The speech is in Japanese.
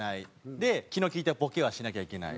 で気の利いたボケはしなきゃいけない。